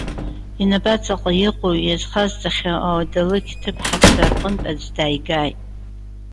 Инапаҵаҟа иҟоу иазхазҵахьоу ауадалықь ҭыԥҳацәа рҟынтә аӡә дааигааит.